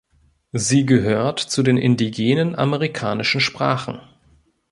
Sie gehört zu den indigenen amerikanischen Sprachen.